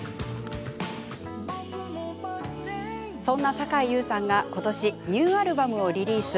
そんな、さかいゆうさんがことしニューアルバムをリリース。